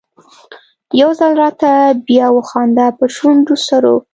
يو ځل راته بیا وخانده په شونډو سرو